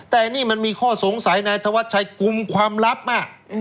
แต่นี่มันมีข้อสงสัยนายธวัชชัยกลุ่มความลับมาก